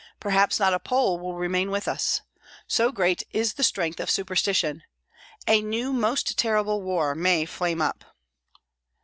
perhaps not a Pole will remain with us. So great is the strength of superstition! A new most terrible war may flame up!"